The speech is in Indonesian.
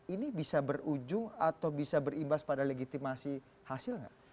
ini bisa berujung atau bisa berimbas pada legitimasi hasil nggak